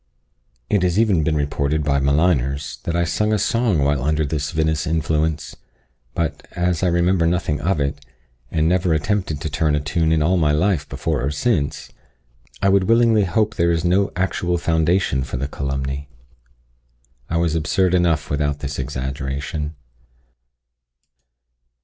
It has even been reported by maligners, that I sung a song while under this vinous influence; but, as I remember nothing of it, and never attempted to turn a tune in all my life before or since, I would willingly hope there is no actual foundation for the calumny. I was absurd enough without this exaggeration.